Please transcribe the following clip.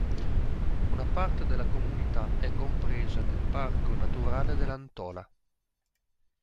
Una parte della comunità è compresa nel Parco Naturale dell'Antola.